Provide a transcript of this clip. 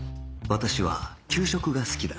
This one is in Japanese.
私は給食が好きだ